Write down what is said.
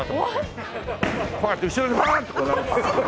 こうやって後ろにバーンッてこう投げる。